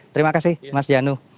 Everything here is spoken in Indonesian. terima kasih mas janu